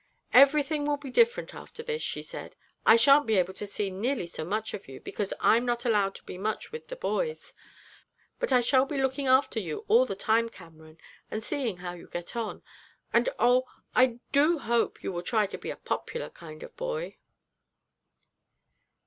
'Everything will be different after this,' she said; 'I shan't be able to see nearly so much of you, because I'm not allowed to be much with the boys. But I shall be looking after you all the time, Cameron, and seeing how you get on. And oh! I do hope you will try to be a popular kind of boy!'